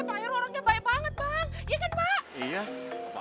pak heru orangnya baik banget bang iya kan pak